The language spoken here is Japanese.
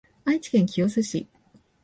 愛知県清須市